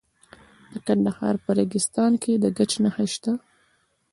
د کندهار په ریګستان کې د ګچ نښې شته.